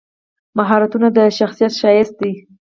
مهارتونه د شخصیت ښایست دی.